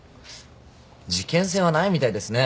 事件性はないみたいですね。